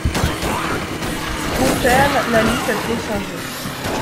Confer la liste à télécharger.